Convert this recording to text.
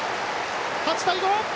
８対５！